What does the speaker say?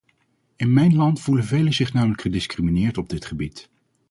In mijn land voelen velen zich namelijk gediscrimineerd op dit gebied.